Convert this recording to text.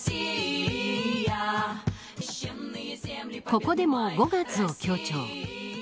ここでも５月を強調。